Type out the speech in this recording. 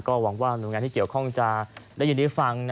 ก็หวังว่าลงงานเจอกองจะได้ยินได้ฟัง